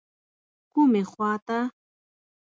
کومې خواته.